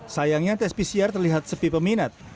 sayangnya tes pcr terlihat sepi peminat